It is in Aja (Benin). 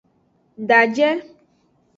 Daje.